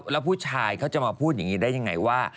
แล้วผู้ชายเขาจะมาพูดอย่างนี้ได้ยังไงว่า